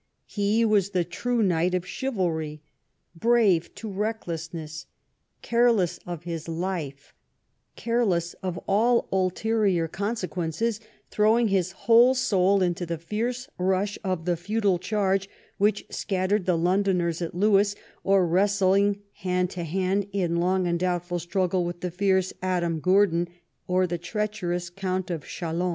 He was the true knight of chivalry, brave to recklessness, careless of his life, careless of all ulterior consequences, throwing his whole soul into the fierce rush of the feudal charge which scattered the Londoners at Lewes, or wrestling hand to hand in long and doubtful struggle with the fierce Adam Gurdon or the treacherous Count of Chalon.